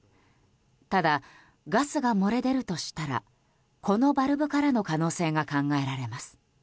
ただ、ガスが漏れ出るとしたらこのバルブからの可能性が考えられます。